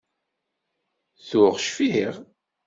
Tuɣ cfiɣ.